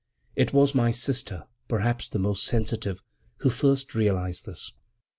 It was my sister, perhaps the more sensitive, who first realized this.